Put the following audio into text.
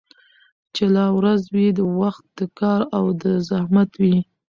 چي لا ورځ وي وخت د كار او د زحمت وي